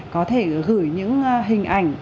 có thể gửi những hình ảnh